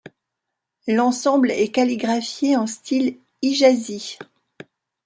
L'ensemble est calligraphié en style hijazi.